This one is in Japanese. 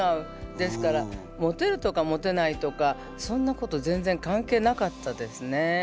ですからモテるとかモテないとかそんなこと全然関係なかったですね。